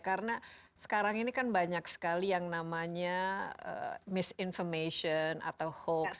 karena sekarang ini kan banyak sekali yang namanya misinformation atau hoax